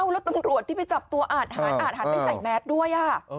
แล้วตำรวจที่ไปจับตัวอาทหารอาจหันไปใส่แมสด้วย